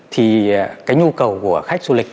thì nhu cầu của khách du lịch